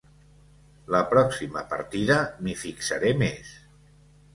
La pròxima partida m'hi fixaré més.